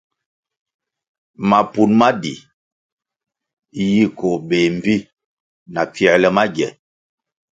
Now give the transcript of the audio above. Mapun ma di yi koh béh mbpi na pfięrle magie.